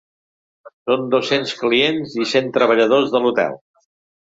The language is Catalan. Són dos-cents clients i cent treballadors de l’hotel.